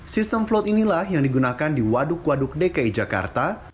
sistem fload inilah yang digunakan di waduk waduk dki jakarta